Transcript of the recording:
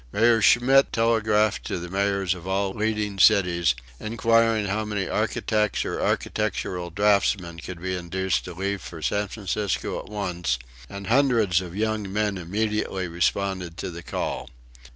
Mayor Schmitz telegraphed to the Mayors of all leading cities, inquiring how many architects or architectural draughtsmen could be induced to leave for San Francisco at once, and hundreds of young men immediately responded to the call.